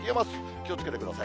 気をつけてください。